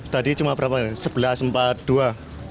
tadi cuma berapa ya sebelas empat puluh dua